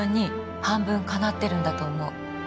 半分かなってるんだと思う